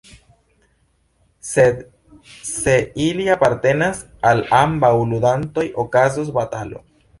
Sed se ili apartenas al ambaŭ ludantoj, okazos batalo.